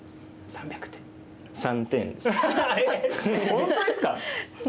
本当ですか？